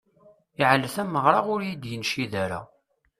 Iɛel tameɣṛa ur iyi-d-yencid ara.